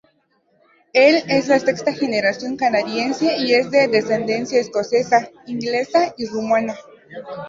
Él es la sexta generación canadiense y es de descendencia escocesa, inglesa y rumana.